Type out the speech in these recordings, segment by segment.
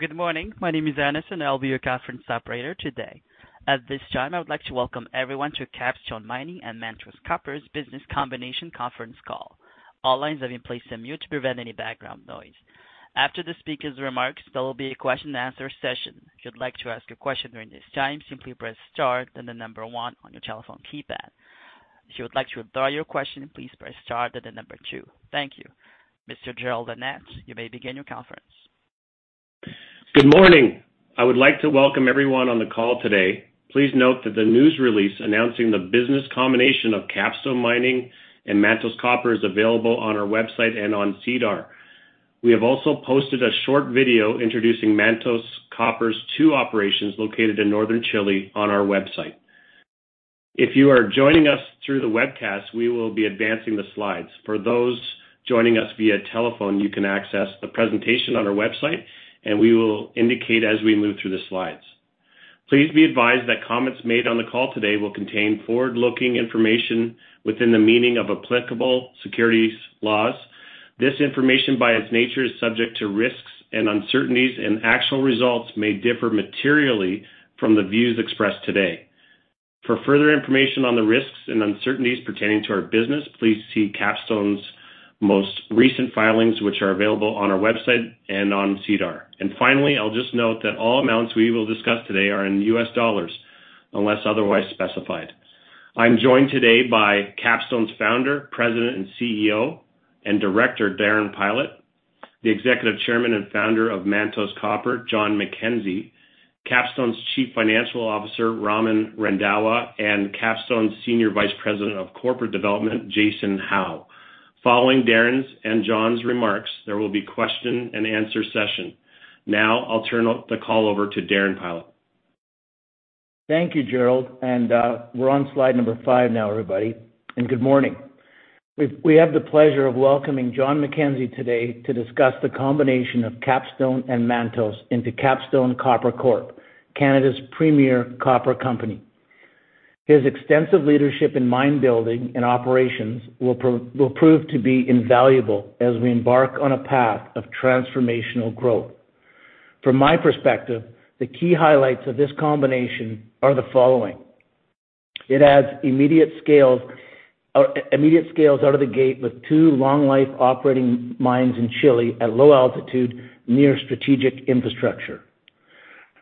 Good morning. My name is Anderson. I'll be your conference operator today. At this time, I would like to welcome everyone to Capstone Mining and Mantos Copper's business combination conference call. All lines have been placed on mute to prevent any background noise. After the speaker's remarks, there will be a question and answer session. If you'd like to ask a question during this time, simply press star then the number one on your telephone keypad. If you would like to withdraw your question, please press star then the number two. Thank you. Mr. Jerrold Annett, you may begin your conference. Good morning. I would like to welcome everyone on the call today. Please note that the news release announcing the business combination of Capstone Mining and Mantos Copper is available on our website and on SEDAR. We have also posted a short video introducing Mantos Copper's two operations located in northern Chile on our website. If you are joining us through the webcast, we will be advancing the slides. For those joining us via telephone, you can access the presentation on our website, and we will indicate as we move through the slides. Please be advised that comments made on the call today will contain forward-looking information within the meaning of applicable securities laws. This information, by its nature, is subject to risks and uncertainties, and actual results may differ materially from the views expressed today. For further information on the risks and uncertainties pertaining to our business, please see Capstone's most recent filings, which are available on our website and on SEDAR. Finally, I'll just note that all amounts we will discuss today are in U.S. dollars unless otherwise specified. I'm joined today by Capstone's Founder, President, and CEO, and Director, Darren Pylot; the Executive Chairman and Founder of Mantos Copper, John MacKenzie; Capstone's Chief Financial Officer, Raman Randhawa; and Capstone's Senior Vice President of Corporate Development, Jason Howe. Following Darren's and John's remarks, there will be question and answer session. Now I'll turn the call over to Darren Pylot. Thank you, Jerrold. We're on slide number five now, everybody. Good morning. We have the pleasure of welcoming John MacKenzie today to discuss the combination of Capstone and Mantos into Capstone Copper Corp., Canada's premier copper company. His extensive leadership in mine building and operations will prove to be invaluable as we embark on a path of transformational growth. From my perspective, the key highlights of this combination are the following. It adds immediate scale out of the gate with two long-life operating mines in Chile at low altitude near strategic infrastructure,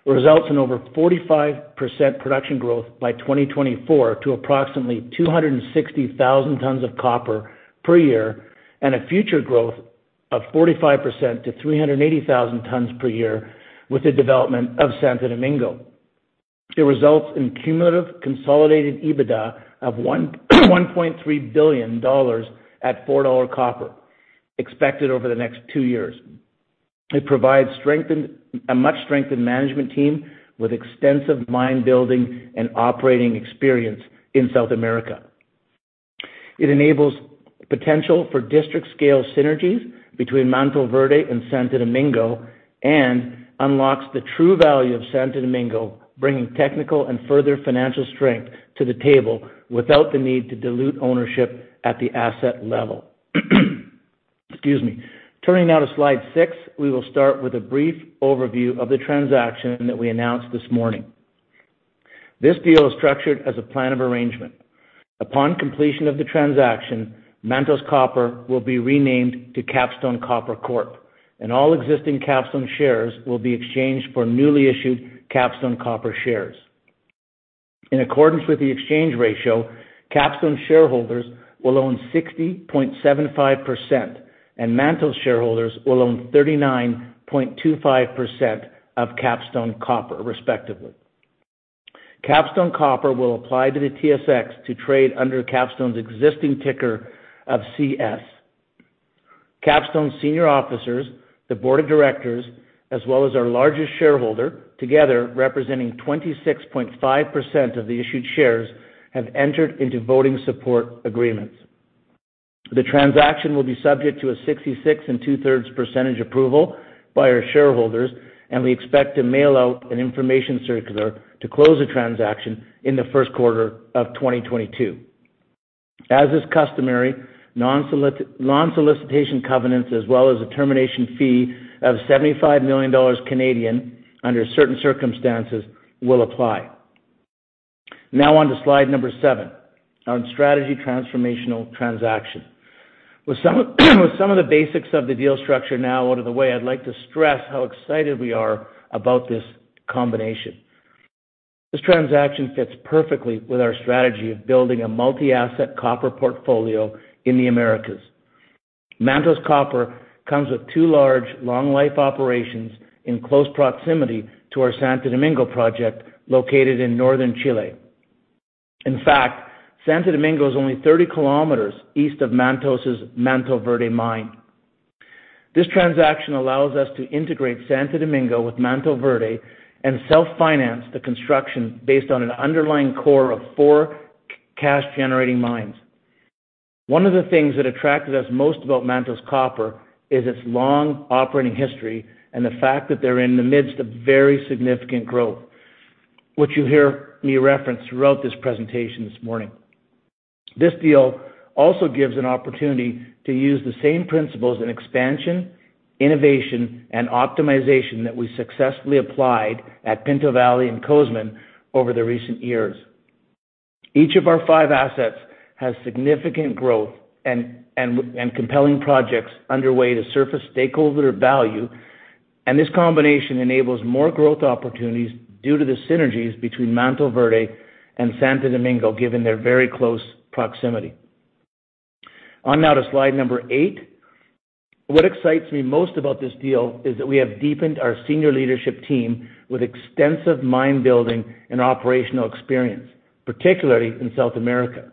results in over 45% production growth by 2024 to approximately 260,000 tons of copper per year and a future growth of 45% to 380,000 tons per year with the development of Santo Domingo. It results in cumulative consolidated EBITDA of $1.3 billion at $4 copper expected over the next two years. It provides a much-strengthened management team with extensive mine building and operating experience in South America. It enables potential for district-scale synergies between Mantoverde and Santo Domingo and unlocks the true value of Santo Domingo, bringing technical and further financial strength to the table without the need to dilute ownership at the asset level. Excuse me. Turning now to slide six, we will start with a brief overview of the transaction that we announced this morning. This deal is structured as a plan of arrangement. Upon completion of the transaction, Mantos Copper will be renamed to Capstone Copper Corp., and all existing Capstone shares will be exchanged for newly issued Capstone Copper shares. In accordance with the exchange ratio, Capstone shareholders will own 60.75%, and Mantos shareholders will own 39.25% of Capstone Copper, respectively. Capstone Copper will apply to the TSX to trade under Capstone's existing ticker of CS. Capstone senior officers, the board of directors, as well as our largest shareholder, together representing 26.5% of the issued shares, have entered into voting support agreements. The transaction will be subject to a 66, 2/3 percentage approval by our shareholders, and we expect to mail out an information circular to close the transaction in the first quarter of 2022. As is customary, non-solicitation covenants as well as a termination fee of 75 million Canadian dollars under certain circumstances will apply. Now on to slide number seven on strategic transformational transaction. With some of the basics of the deal structure now out of the way, I'd like to stress how excited we are about this combination. This transaction fits perfectly with our strategy of building a multi-asset copper portfolio in the Americas. Mantos Copper comes with two large long life operations in close proximity to our Santo Domingo project located in northern Chile. In fact, Santo Domingo is only 30 km east of Mantos' Mantoverde mine. This transaction allows us to integrate Santo Domingo with Mantoverde and self-finance the construction based on an underlying core of four cash-generating mines. One of the things that attracted us most about Mantos Copper is its long operating history and the fact that they're in the midst of very significant growth, which you'll hear me reference throughout this presentation this morning. This deal also gives an opportunity to use the same principles in expansion, innovation, and optimization that we successfully applied at Pinto Valley and Cozamin over the recent years. Each of our five assets has significant growth and compelling projects underway to surface stakeholder value, and this combination enables more growth opportunities due to the synergies between Mantoverde and Santo Domingo, given their very close proximity. Now on to slide number eight. What excites me most about this deal is that we have deepened our senior leadership team with extensive mine building and operational experience, particularly in South America.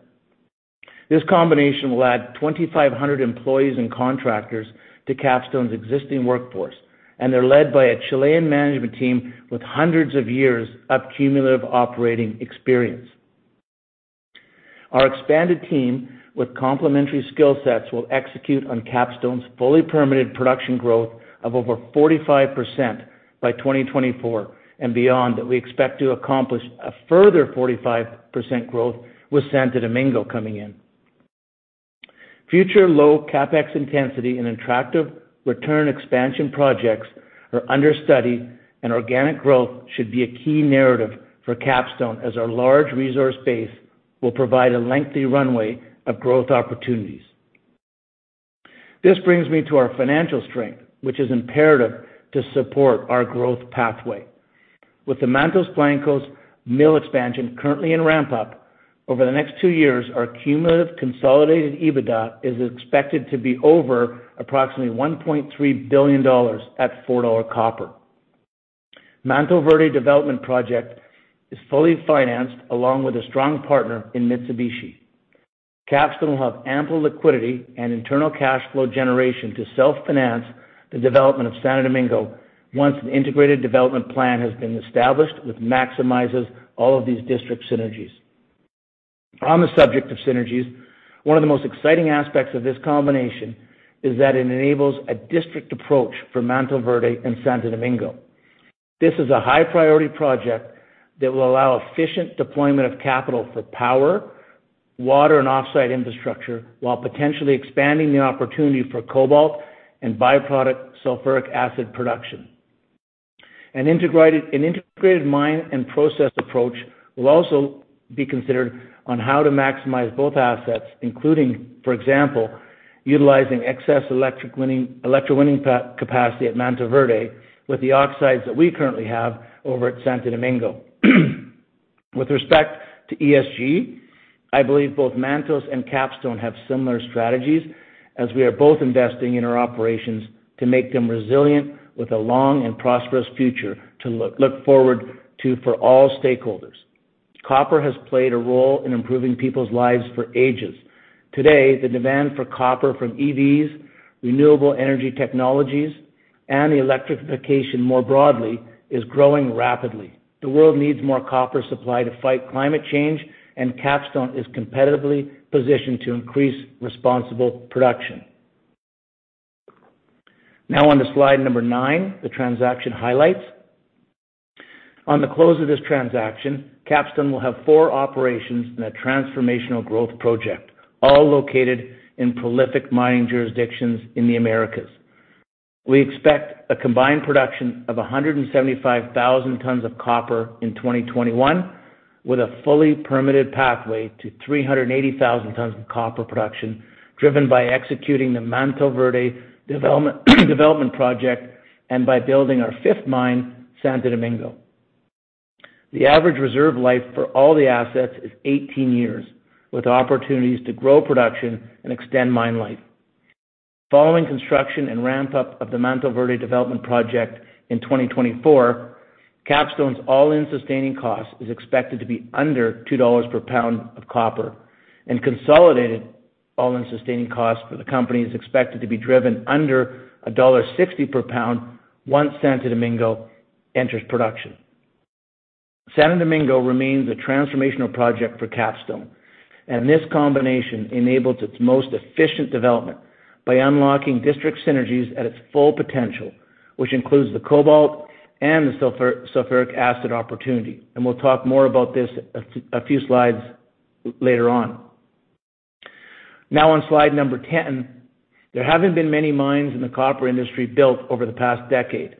This combination will add 2,500 employees and contractors to Capstone's existing workforce, and they're led by a Chilean management team with hundreds of years of cumulative operating experience. Our expanded team with complementary skill sets will execute on Capstone's fully permitted production growth of over 45% by 2024, and beyond that we expect to accomplish a further 45% growth with Santo Domingo coming in. Future low CapEx intensity and attractive return expansion projects are under study, and organic growth should be a key narrative for Capstone as our large resource base will provide a lengthy runway of growth opportunities. This brings me to our financial strength, which is imperative to support our growth pathway. With the Mantos Blancos mill expansion currently in ramp-up, over the next two years, our cumulative consolidated EBITDA is expected to be over approximately $1.3 billion at $4 copper. Mantoverde development project is fully financed along with a strong partner in Mitsubishi. Capstone will have ample liquidity and internal cash flow generation to self-finance the development of Santo Domingo once an integrated development plan has been established, which maximizes all of these district synergies. On the subject of synergies, one of the most exciting aspects of this combination is that it enables a district approach for Mantoverde and Santo Domingo. This is a high-priority project that will allow efficient deployment of capital for power, water, and offsite infrastructure, while potentially expanding the opportunity for cobalt and byproduct sulfuric acid production. An integrated mine and process approach will also be considered on how to maximize both assets, including, for example, utilizing excess electrowinning capacity at Mantoverde with the oxides that we currently have over at Santo Domingo. With respect to ESG, I believe both Mantos and Capstone have similar strategies, as we are both investing in our operations to make them resilient with a long and prosperous future to look forward to for all stakeholders. Copper has played a role in improving people's lives for ages. Today, the demand for copper from EVs, renewable energy technologies, and the electrification more broadly is growing rapidly. The world needs more copper supply to fight climate change, and Capstone is competitively positioned to increase responsible production. Now on to slide nine, the transaction highlights. On the close of this transaction, Capstone will have four operations in a transformational growth project, all located in prolific mining jurisdictions in the Americas. We expect a combined production of 175,000 tons of copper in 2021, with a fully permitted pathway to 380,000 tons of copper production, driven by executing the Mantoverde development project and by building our fifth mine, Santo Domingo. The average reserve life for all the assets is 18 years, with opportunities to grow production and extend mine life. Following construction and ramp-up of the Mantoverde development project in 2024, Capstone's all-in sustaining cost is expected to be under $2 per pound of copper, and consolidated all-in sustaining cost for the company is expected to be driven under $1.60 per pound once Santo Domingo enters production. Santo Domingo remains a transformational project for Capstone, and this combination enables its most efficient development by unlocking district synergies at its full potential, which includes the cobalt and the sulfuric acid opportunity. We'll talk more about this a few slides later on. Now on slide number 10. There haven't been many mines in the copper industry built over the past decade.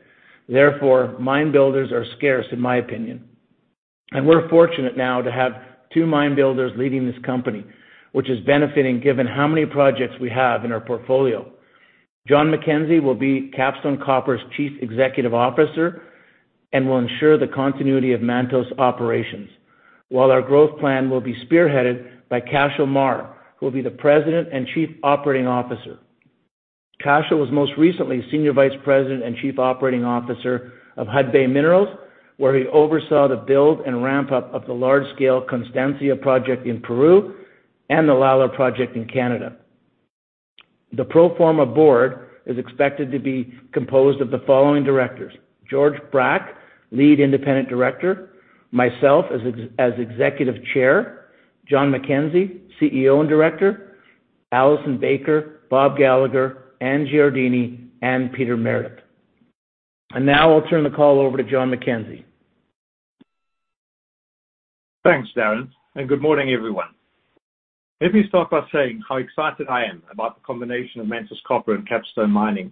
Therefore, mine builders are scarce, in my opinion. We're fortunate now to have two mine builders leading this company, which is benefiting given how many projects we have in our portfolio. John MacKenzie will be Capstone Copper's chief executive officer and will ensure the continuity of Mantos operations, while our growth plan will be spearheaded by Cashel Meagher, who will be the president and chief operating officer. Cashel was most recently senior vice president and chief operating officer of Hudbay Minerals, where he oversaw the build and ramp-up of the large-scale Constancia project in Peru and the Lalor project in Canada. The pro forma board is expected to be composed of the following directors: George Brack, lead independent director, myself as executive chair, John MacKenzie, CEO and director, Alison Baker, Bob Gallagher, Anne Giardini, and Peter Meredith. Now I'll turn the call over to John MacKenzie. Thanks, Darren, and good morning, everyone. Let me start by saying how excited I am about the combination of Mantos Copper and Capstone Mining.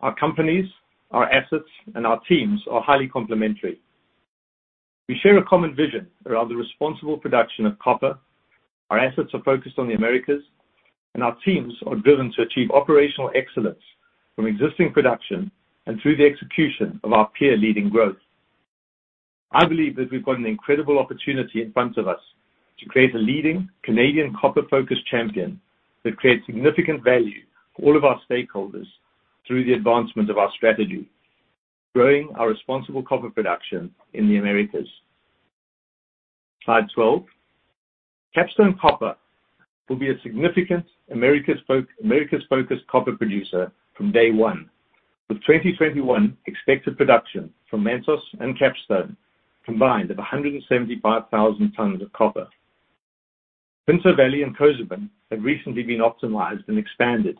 Our companies, our assets, and our teams are highly complementary. We share a common vision around the responsible production of copper. Our assets are focused on the Americas, and our teams are driven to achieve operational excellence from existing production and through the execution of our peer-leading growth. I believe that we've got an incredible opportunity in front of us to create a leading Canadian copper-focused champion that creates significant value for all of our stakeholders through the advancement of our strategy, growing our responsible copper production in the Americas. Slide 12. Capstone Copper will be a significant Americas-focused copper producer from day one, with 2021 expected production from Mantos and Capstone combined of 175,000 tons of copper. Pinto Valley and Cozamin have recently been optimized and expanded,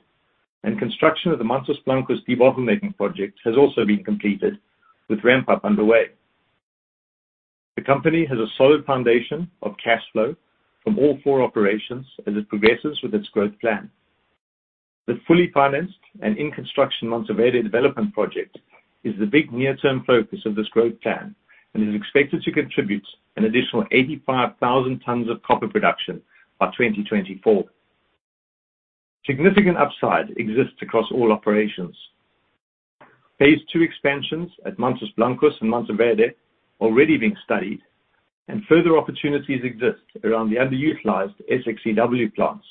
and construction of the Mantos Blancos debottlenecking project has also been completed, with ramp-up underway. The company has a solid foundation of cash flow from all four operations as it progresses with its growth plan. The fully financed and in-construction Mantoverde development project is the big near-term focus of this growth plan and is expected to contribute an additional 85,000 tons of copper production by 2024. Significant upside exists across all operations. Phase II expansions at Mantos Blancos and Mantoverde are already being studied, and further opportunities exist around the underutilized SXEW plants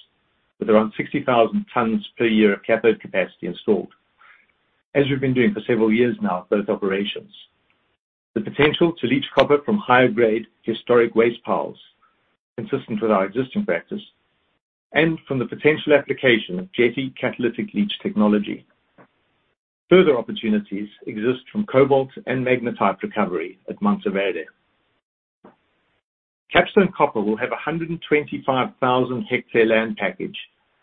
with around 60,000 tons per year of cathode capacity installed, as we've been doing for several years now at both operations. The potential to leach copper from higher-grade historic waste piles, consistent with our existing practice, and from the potential application of Jetti catalytic leach technology. Further opportunities exist from cobalt and magnetite recovery at Mantoverde. Capstone Copper will have a 125,000-hectare land package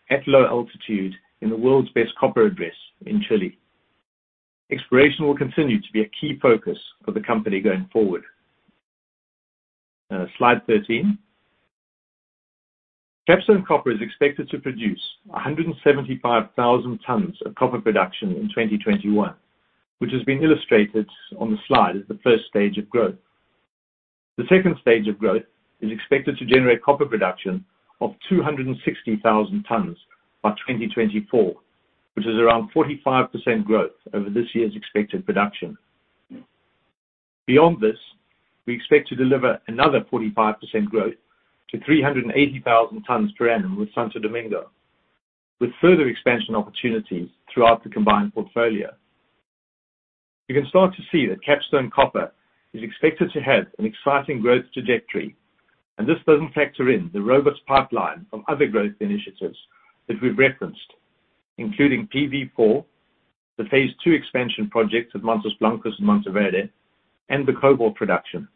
at low altitude in the world's best copper address in Chile. Exploration will continue to be a key focus for the company going forward. Slide 13. Capstone Copper is expected to produce 175,000 tons of copper production in 2021, which has been illustrated on the slide as the first stage of growth. The second stage of growth is expected to generate copper production of 260,000 tons by 2024, which is around 45% growth over this year's expected production. Beyond this, we expect to deliver another 45% growth to 380,000 tons per annum with Santo Domingo, with further expansion opportunities throughout the combined portfolio. You can start to see that Capstone Copper is expected to have an exciting growth trajectory, and this doesn't factor in the robust pipeline from other growth initiatives that we've referenced, including PV4, the phase II expansion projects at Mantos Blancos and Mantoverde, and the cobalt production.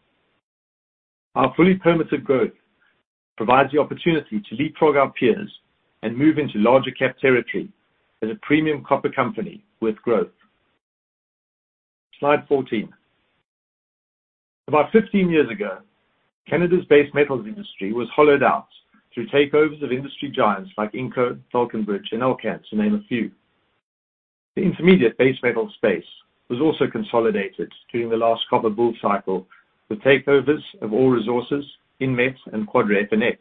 Our fully permitted growth provides the opportunity to leapfrog our peers and move into larger cap territory as a premium copper company with growth. Slide 14. About 15 years ago, Canada's base metals industry was hollowed out through takeovers of industry giants like Inco, Falconbridge, and Alcan, to name a few. The intermediate base metal space was also consolidated during the last copper bull cycle with takeovers of Aur Resources and Quadra FNX.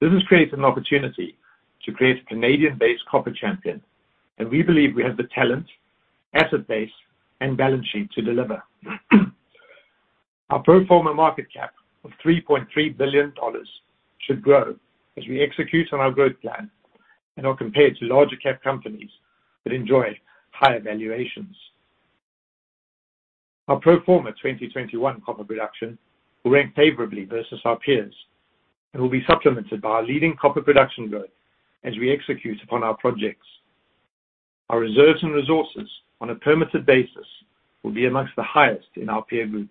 This has created an opportunity to create a Canadian-based copper champion, and we believe we have the talent, asset base, and balance sheet to deliver. Our pro forma market cap of $3.3 billion should grow as we execute on our growth plan and are compared to larger cap companies that enjoy higher valuations. Our pro forma 2021 copper production will rank favorably versus our peers and will be supplemented by our leading copper production growth as we execute upon our projects. Our reserves and resources on a permitted basis will be among the highest in our peer group.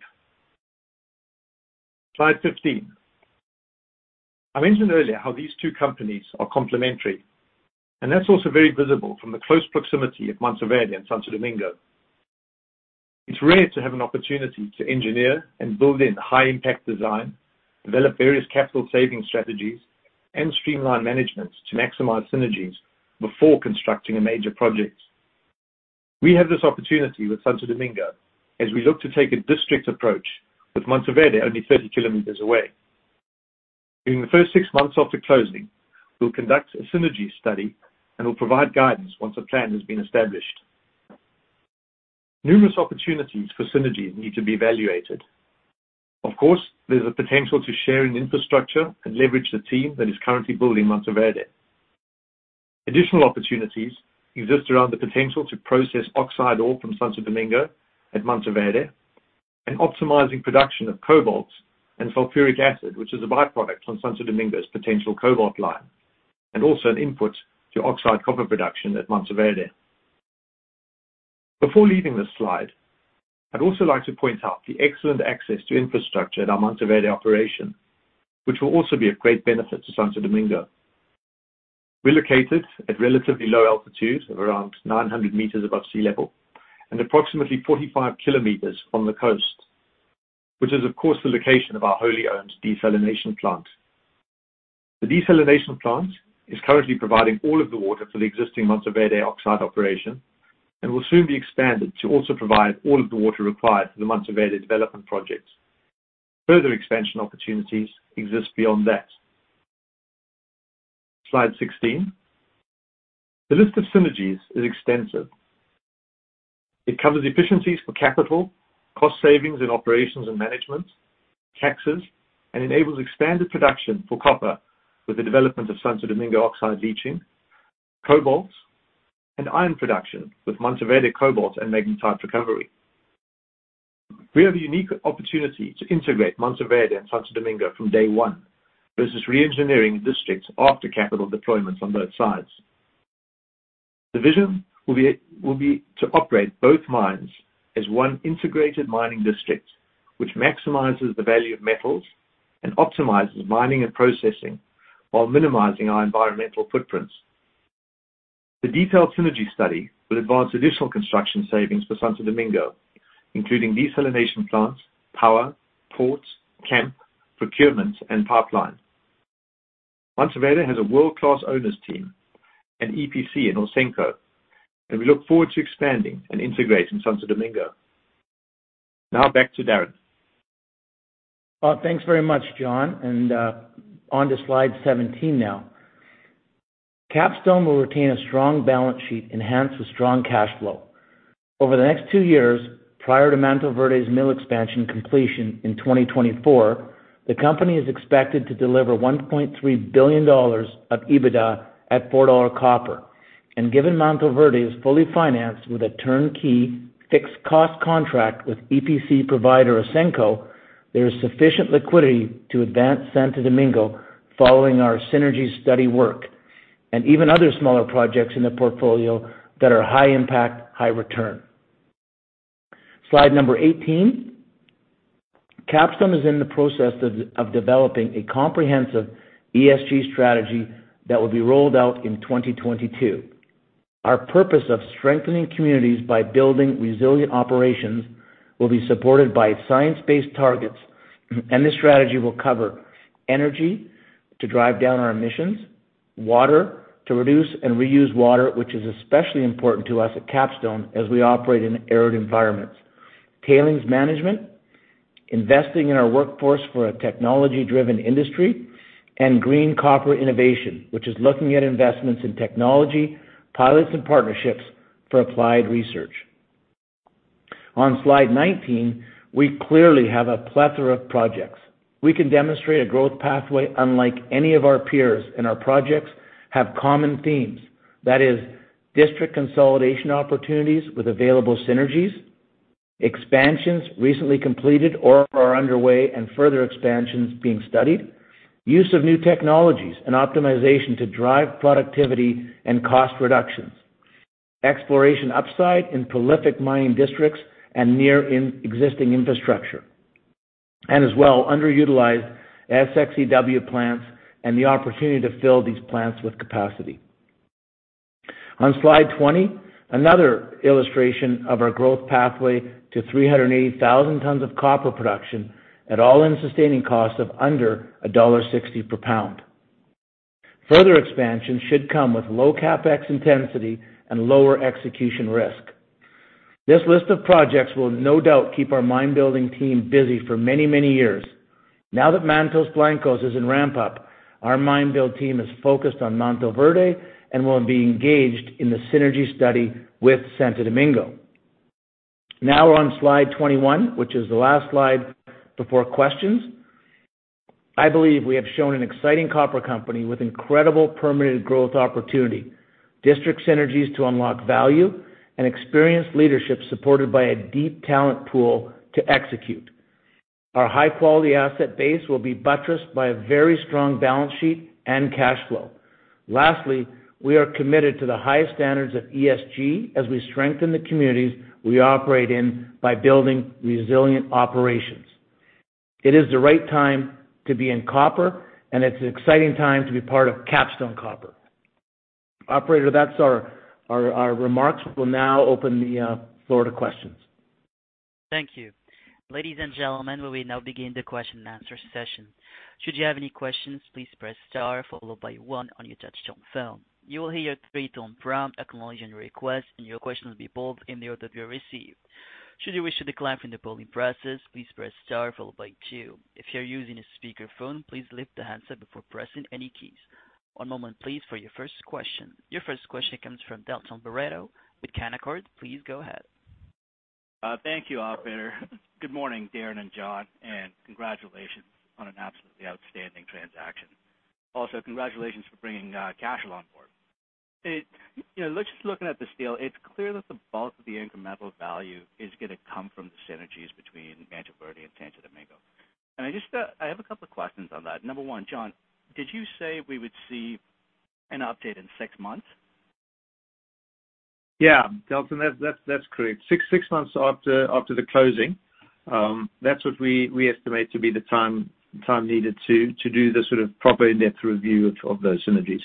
Slide 15. I mentioned earlier how these two companies are complementary, and that's also very visible from the close proximity of Mantoverde and Santo Domingo. It's rare to have an opportunity to engineer and build in high-impact design, develop various capital-saving strategies, and streamline management to maximize synergies before constructing a major project. We have this opportunity with Santo Domingo as we look to take a district approach with Mantoverde only 30 km away. During the first six months after closing, we'll conduct a synergy study and will provide guidance once a plan has been established. Numerous opportunities for synergies need to be evaluated. Of course, there's a potential to share in infrastructure and leverage the team that is currently building Mantoverde. Additional opportunities exist around the potential to process oxide ore from Santo Domingo at Mantoverde and optimizing production of cobalt and sulfuric acid, which is a by-product from Santo Domingo's potential cobalt line, and also an input to oxide copper production at Mantoverde. Before leaving this slide, I'd also like to point out the excellent access to infrastructure at our Mantoverde operation, which will also be of great benefit to Santo Domingo. We're located at relatively low altitudes of around 900 m above sea level and approximately 45 km from the coast, which is, of course, the location of our wholly-owned desalination plant. The desalination plant is currently providing all of the water for the existing Mantoverde oxide operation and will soon be expanded to also provide all of the water required for the Mantoverde development projects. Further expansion opportunities exist beyond that. Slide 16. The list of synergies is extensive. It covers efficiencies for capital, cost savings in operations and management, taxes, and enables expanded production for copper with the development of Santo Domingo oxide leaching, cobalt and iron production with Mantoverde cobalt and magnetite recovery. We have a unique opportunity to integrate Mantoverde and Santo Domingo from day one versus re-engineering districts after capital deployments on both sides. The vision will be to operate both mines as one integrated mining district, which maximizes the value of metals and optimizes mining and processing while minimizing our environmental footprints. The detailed synergy study will advance additional construction savings for Santo Domingo, including desalination plants, power, ports, camp, procurement, and pipeline. Mantoverde has a world-class owners team and EPC in Ausenco, and we look forward to expanding and integrating Santo Domingo. Now back to Darren. Thanks very much, John. On to slide 17 now. Capstone will retain a strong balance sheet, enhanced with strong cash flow. Over the next two years, prior to Mantoverde's mill expansion completion in 2024, the company is expected to deliver $1.3 billion of EBITDA at $4 copper. Given Mantoverde is fully financed with a turnkey fixed cost contract with EPC provider Ausenco, there is sufficient liquidity to advance Santo Domingo following our synergy study work and even other smaller projects in the portfolio that are high impact, high return. Slide 18. Capstone is in the process of developing a comprehensive ESG strategy that will be rolled out in 2022. Our purpose of strengthening communities by building resilient operations will be supported by science-based targets, and this strategy will cover energy to drive down our emissions, water to reduce and reuse water, which is especially important to us at Capstone as we operate in arid environments, tailings management, investing in our workforce for a technology-driven industry, and green copper innovation, which is looking at investments in technology, pilots, and partnerships for applied research. On slide 19, we clearly have a plethora of projects. We can demonstrate a growth pathway unlike any of our peers, and our projects have common themes. That is district consolidation opportunities with available synergies, expansions recently completed or are underway and further expansions being studied, use of new technologies and optimization to drive productivity and cost reductions, exploration upside in prolific mining districts and near in existing infrastructure, and as well underutilized SXEW plants and the opportunity to fill these plants with capacity. On slide 20, another illustration of our growth pathway to 380,000 tons of copper production at all-in sustaining costs of under $1.60 per pound. Further expansion should come with low CapEx intensity and lower execution risk. This list of projects will no doubt keep our mine building team busy for many, many years. Now that Mantos Blancos is in ramp up, our mine build team is focused on Mantoverde and will be engaged in the synergy study with Santo Domingo. Now we're on slide 21, which is the last slide before questions. I believe we have shown an exciting copper company with incredible permitted growth opportunity, district synergies to unlock value, and experienced leadership supported by a deep talent pool to execute. Our high-quality asset base will be buttressed by a very strong balance sheet and cash flow. Lastly, we are committed to the highest standards of ESG as we strengthen the communities we operate in by building resilient operations. It is the right time to be in copper, and it's an exciting time to be part of Capstone Copper. Operator, that's our remarks. We'll now open the floor to questions. Thank you. Ladies and gentlemen, we will now begin the question-and-answer session. Should you have any questions, please press star followed by one on your touchtone phone. You will hear a three-tone prompt acknowledging your request, and your question will be pulled in the order we received. Should you wish to decline from the polling process, please press star followed by two. If you're using a speakerphone, please lift the handset before pressing any keys. One moment please for your first question. Your first question comes from Dalton Baretto with Canaccord. Please go ahead. Thank you, operator. Good morning, Darren and John, and congratulations on an absolutely outstanding transaction. Also, congratulations for bringing Cashel on board. You know, let's just look at this deal, it's clear that the bulk of the incremental value is gonna come from the synergies between Mantoverde and Santo Domingo. I just have a couple of questions on that. Number one, John, did you say we would see an update in six months? Yeah, Dalton, that's correct. Six months after the closing. That's what we estimate to be the time needed to do the sort of proper in-depth review of those synergies.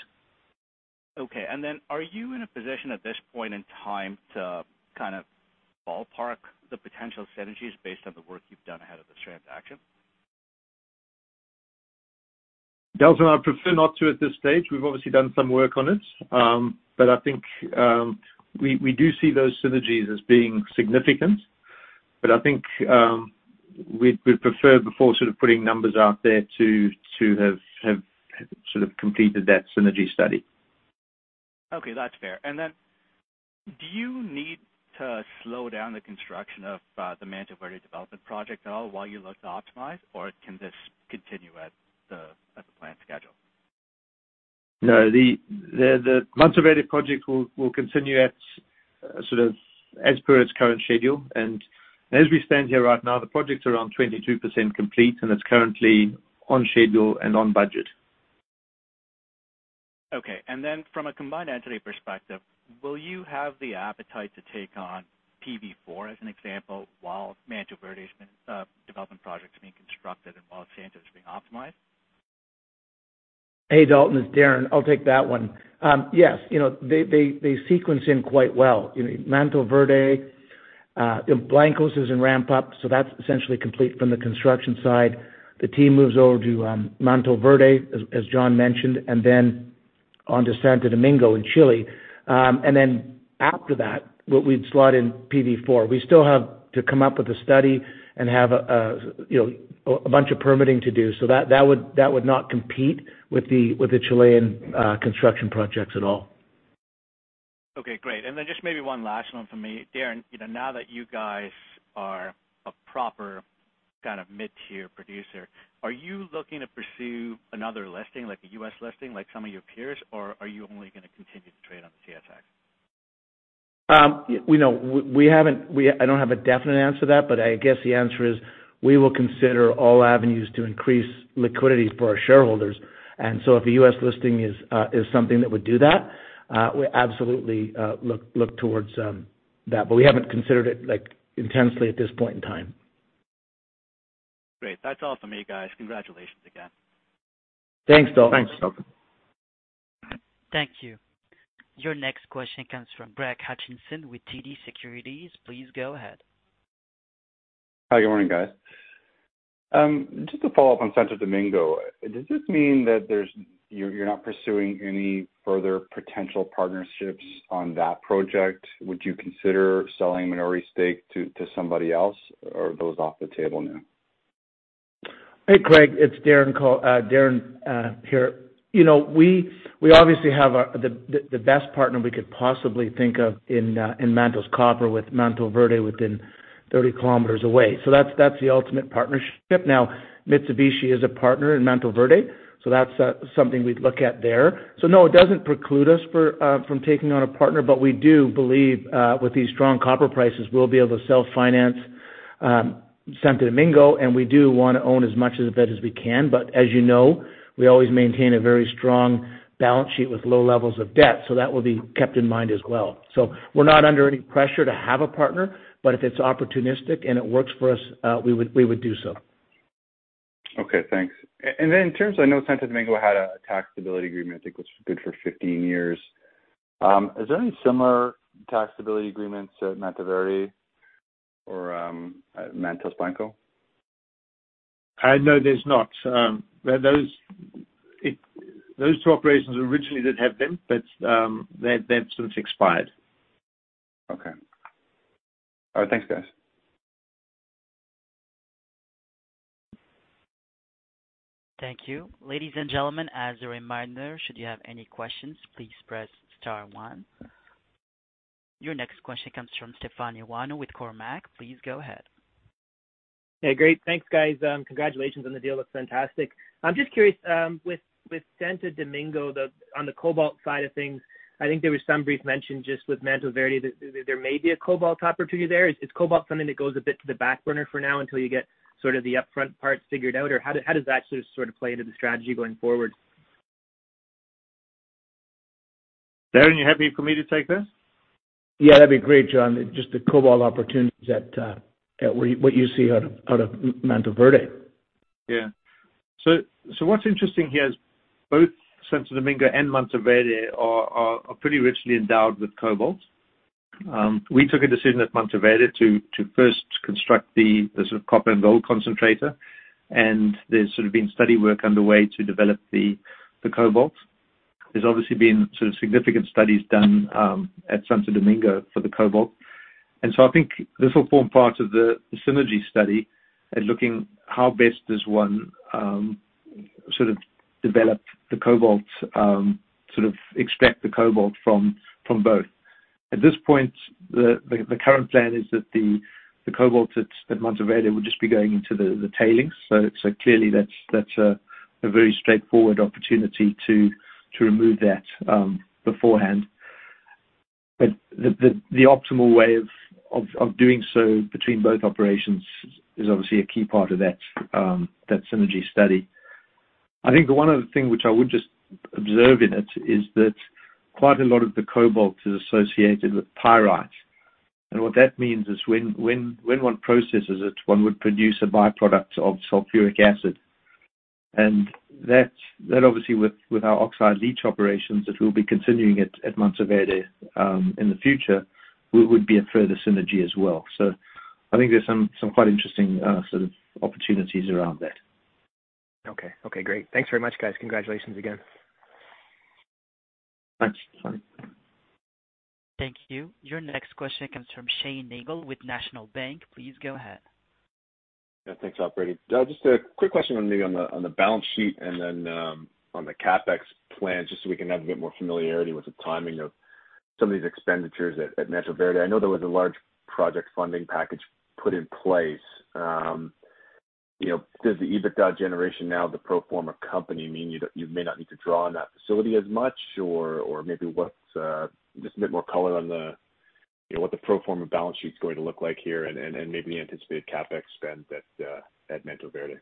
Okay. Are you in a position at this point in time to kind of ballpark the potential synergies based on the work you've done ahead of this transaction? Dalton, I'd prefer not to at this stage. We've obviously done some work on it. I think we do see those synergies as being significant. I think we'd prefer before sort of putting numbers out there to have sort of completed that synergy study. Okay. That's fair. Do you need to slow down the construction of the Mantoverde development project at all while you look to optimize, or can this continue at the planned schedule? No. The Mantoverde project will continue at sort of as per its current schedule. As we stand here right now, the project's around 22% complete and it's currently on schedule and on budget. From a combined entity perspective, will you have the appetite to take on PV4, as an example, while Mantoverde's development project is being constructed and while Santo Domingo is being optimized? Hey, Dalton, it's Darren. I'll take that one. Yes, you know, they sequence in quite well. You know, Mantoverde and Blancos is in ramp up, so that's essentially complete from the construction side. The team moves over to Mantoverde, as John mentioned, and then onto Santo Domingo in Chile. After that, what we'd slot in PV4. We still have to come up with a study and have a you know, a bunch of permitting to do. That would not compete with the Chilean construction projects at all. Okay, great. Just maybe one last one from me. Darren, you know, now that you guys are a proper kind of mid-tier producer, are you looking to pursue another listing, like a U.S. listing, like some of your peers, or are you only gonna continue to trade on the TSX? You know, we haven't—I don't have a definite answer to that, but I guess the answer is we will consider all avenues to increase liquidity for our shareholders. If a U.S. listing is something that would do that, we absolutely look towards that, but we haven't considered it like intensely at this point in time. Great. That's all for me, guys. Congratulations again. Thanks, Dalton. Thanks. Thank you. Your next question comes from Craig Hutchison with TD Securities. Please go ahead. Hi, good morning, guys. Just to follow up on Santo Domingo, does this mean that you're not pursuing any further potential partnerships on that project? Would you consider selling minority stake to somebody else, or are those off the table now? Hey, Craig, it's Darren here. We obviously have the best partner we could possibly think of in Mantos Copper with Mantoverde within 30 km away. That's the ultimate partnership. Now, Mitsubishi is a partner in Mantoverde, so that's something we'd look at there. No, it doesn't preclude us from taking on a partner, but we do believe with these strong copper prices, we'll be able to self-finance Santo Domingo, and we do wanna own as much of it as we can. As you know, we always maintain a very strong balance sheet with low levels of debt, so that will be kept in mind as well. We're not under any pressure to have a partner, but if it's opportunistic and it works for us, we would do so. Okay, thanks. In terms of, I know Santo Domingo had a tax stability agreement, I think was good for 15 years. Is there any similar tax stability agreements at Mantoverde or at Mantos Blancos? No, there's not. Those two operations originally did have them, but they've since expired. Okay. All right. Thanks, guys. Thank you. Ladies and gentlemen, as a reminder, should you have any questions, please press star one. Your next question comes from Stefan Ioannou with Cormark. Please go ahead. Hey, great, thanks, guys. Congratulations on the deal. It looks fantastic. I'm just curious, with Santo Domingo, on the cobalt side of things, I think there was some brief mention just with Mantoverde that there may be a cobalt opportunity there. Is cobalt something that goes a bit to the back burner for now until you get sort of the upfront part figured out? Or how does that sort of play into the strategy going forward? Darren, you happy for me to take this? Yeah, that'd be great, John. Just the cobalt opportunities at what you see out of Mantoverde. What's interesting here is both Santo Domingo and Mantoverde are pretty richly endowed with cobalt. We took a decision at Mantoverde to first construct the sort of copper and gold concentrator, and there's sort of been study work underway to develop the cobalt. There's obviously been sort of significant studies done at Santo Domingo for the cobalt. I think this will form part of the synergy study and looking how best does one sort of develop the cobalt sort of extract the cobalt from both. At this point, the current plan is that the cobalt at Mantoverde would just be going into the tailings. Clearly that's a very straightforward opportunity to remove that beforehand. The optimal way of doing so between both operations is obviously a key part of that synergy study. I think one of the things which I would just observe in it is that quite a lot of the cobalt is associated with pyrite. What that means is when one processes it, one would produce a byproduct of sulfuric acid. That obviously with our oxide leach operations that we'll be continuing at Mantoverde in the future would be a further synergy as well. I think there's some quite interesting sort of opportunities around that. Okay, great. Thanks very much, guys. Congratulations again. Thanks. Thank you. Your next question comes from Shane Nagle with National Bank. Please go ahead. Yeah, thanks, Operator. Just a quick question on the balance sheet and then on the CapEx plan, just so we can have a bit more familiarity with the timing of some of these expenditures at Mantoverde. I know there was a large project funding package put in place. You know, does the EBITDA generation now of the pro forma company mean you may not need to draw on that facility as much? Or just a bit more color on you know, what the pro forma balance sheet is going to look like here and maybe the anticipated CapEx spend at Mantoverde.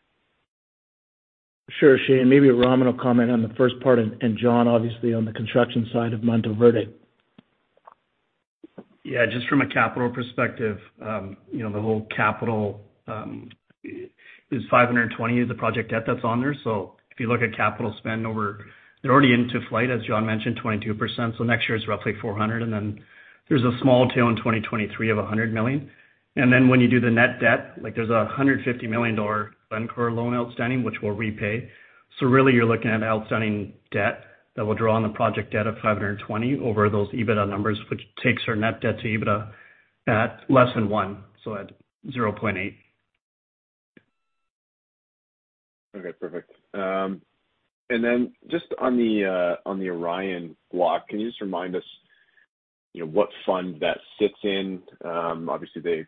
Sure, Shane. Maybe Raman will comment on the first part and John obviously on the construction side of Mantoverde. Yeah, just from a capital perspective, you know, the whole capital is $520 million, the project debt that's on there. If you look at capital spend. They're already into flight, as John mentioned, 22%, so next year is roughly $400 million, and then there's a small tail in 2023 of $100 million. When you do the net debt, like there's a $150 million Glencore loan outstanding, which we'll repay. Really you're looking at outstanding debt that will draw on the project debt of $520 million over those EBITDA numbers, which takes our net debt to EBITDA at less than one, so at 0.8%. Okay, perfect. And then just on the Orion block, can you just remind us, you know, what fund that sits in? Obviously they've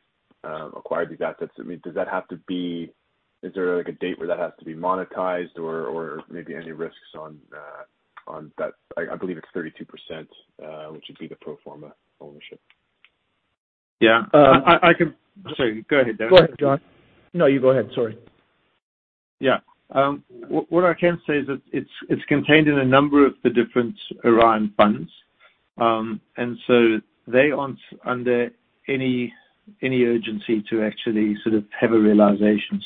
acquired the assets. I mean, does that have to be? Is there like a date where that has to be monetized or maybe any risks on that? I believe it's 32%, which would be the pro forma ownership. Yeah. Sorry, go ahead, Darren. Go ahead, John. No, you go ahead. Sorry. Yeah. What I can say is that it's contained in a number of the different Orion funds. They aren't under any urgency to actually sort of have a realization.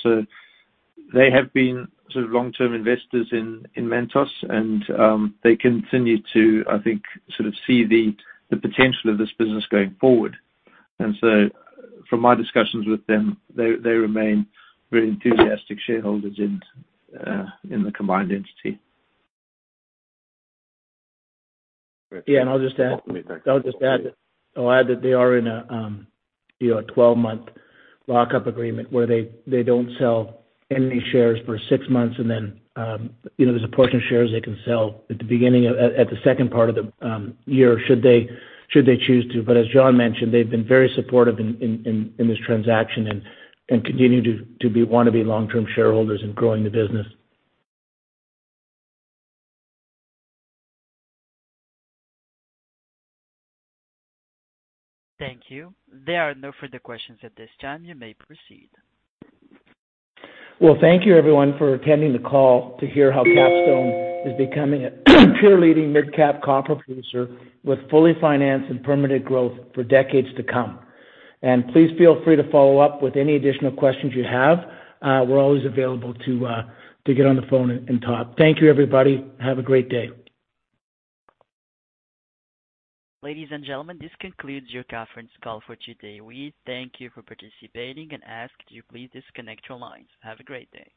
They have been sort of long-term investors in Mantos and they continue to, I think, sort of see the potential of this business going forward. From my discussions with them, they remain very enthusiastic shareholders in the combined entity. Great. Yeah. I'll just add that they are in a 12-month lockup agreement where they don't sell any shares for six months and then, you know, there's a portion of shares they can sell at the beginning of, at the second part of the year should they choose to. As John mentioned, they've been very supportive in this transaction and continue to want to be long-term shareholders in growing the business. Thank you. There are no further questions at this time. You may proceed. Well, thank you everyone for attending the call to hear how Capstone is becoming a pure leading mid-cap copper producer with fully financed and permitted growth for decades to come. Please feel free to follow up with any additional questions you have. We're always available to get on the phone and talk. Thank you, everybody. Have a great day. Ladies and gentlemen, this concludes your conference call for today. We thank you for participating and ask that you please disconnect your lines. Have a great day.